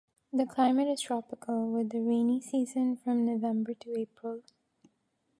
The climate is tropical, with a rainy season from November to April.